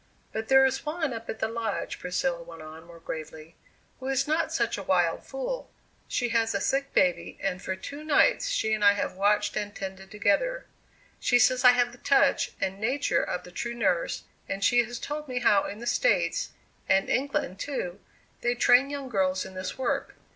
"But there is one up at the Lodge," Priscilla went on more gravely, "who is not such a wild fool. She has a sick baby, and for two nights she and I have watched and tended together. She says I have the touch and nature of the true nurse and she has told me how in the States, and England, too, they train young girls in this work.